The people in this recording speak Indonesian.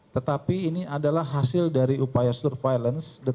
tetapi ini adalah hasil dari upaya surveillance deteksi dini